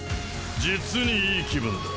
実に良い気分だ！